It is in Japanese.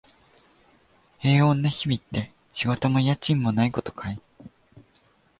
平穏な日々って、仕事も家賃もないことかい？